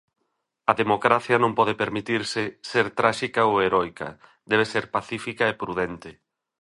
A democracia non pode permitirse ser tráxica ou heroica, debe ser pacífica e prudente.